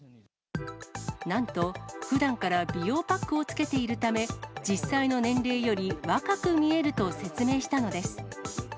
なんと、ふだんから美容パックをつけているため、実際の年齢より若く見えると説明したのです。